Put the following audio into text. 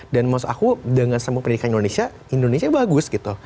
maksud aku dengan sambung pendidikan indonesia indonesia bagus gitu